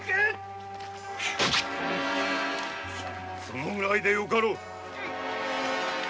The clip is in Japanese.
・そのくらいでよかろう！